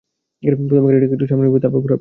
প্রথমে গাড়িটাকে একটু সামনে নিবি, তারপর ঘুরাবি।